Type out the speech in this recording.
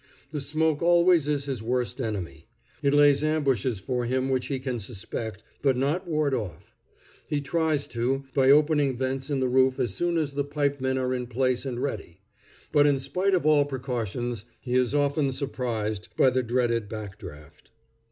The smoke always is his worst enemy. It lays ambushes for him which he can suspect, but not ward off. He tries to, by opening vents in the roof as soon as the pipe men are in place and ready; but in spite of all precautions, he is often surprised by the dreaded back draft.